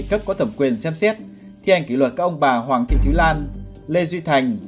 tổ chức đảng quyền xem xét thi hành kỷ luật các ông bà hoàng thị thúy lan lê duy thành